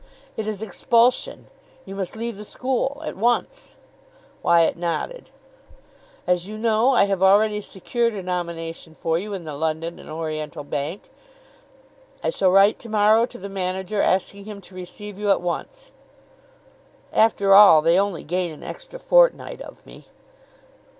"It is expulsion. You must leave the school. At once." Wyatt nodded. "As you know, I have already secured a nomination for you in the London and Oriental Bank. I shall write to morrow to the manager asking him to receive you at once " "After all, they only gain an extra fortnight of me."